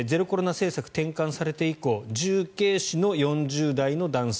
政策転換されて以降重慶市の４０代の男性